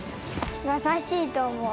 やさしいと思う。